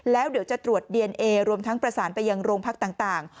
แล้วจะตรวจดีเอนเอร์รวมทั้งประสานไปยังโรงพักษณ์ต่าง